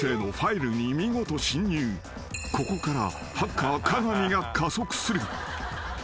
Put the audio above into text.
［ここから］